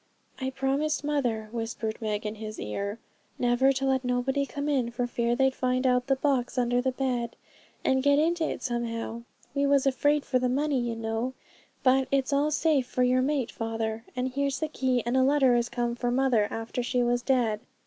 'I promised mother,' whispered Meg in his ear, 'never to let nobody come in, for fear they'd find out the box under the bed, and get into it somehow. We was afraid for the money, you know, but it's all safe for your mate, father; and here's the key, and a letter as came for mother after she was dead.'